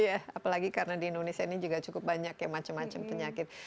apalagi karena di indonesia ini juga cukup banyak ya macam macam penyakit